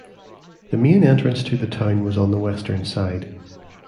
The main entrance to the town was on the western side.